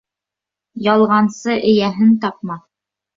Ялғансы эйәһен тапмаҫ.